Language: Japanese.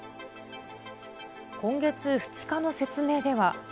今月２日の説明では。